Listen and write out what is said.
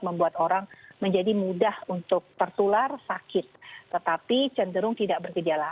membuat orang menjadi mudah untuk tertular sakit tetapi cenderung tidak bergejala